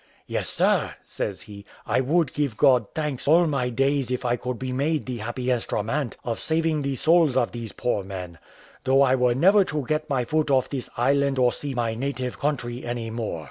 Yes, sir," says he, "I would give God thanks all my days if I could be made the happy instrument of saving the souls of those poor men, though I were never to get my foot off this island or see my native country any more.